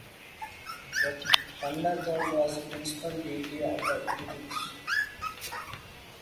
The thunder-god was the principal deity of the Hittites.